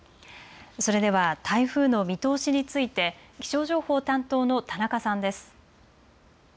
それでは台風の見通しについて気象情報担当の田中さんです。